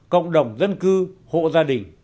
cộng đồng dân cư hộ gia đình